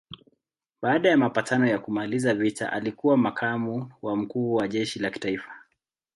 Baada ya mapatano ya kumaliza vita alikuwa makamu wa mkuu wa jeshi la kitaifa.